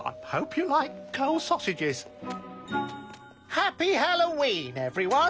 ハッピー・ハロウィーン！